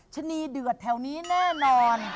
ชนีเดือดแถวนี้แน่นอน